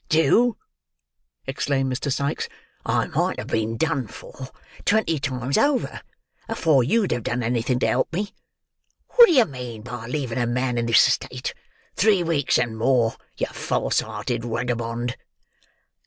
"Do!" exclaimed Mr. Sikes; "I might have been done for, twenty times over, afore you'd have done anything to help me. What do you mean by leaving a man in this state, three weeks and more, you false hearted wagabond?"